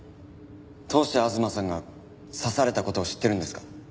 どうして吾妻さんが刺された事を知ってるんですか？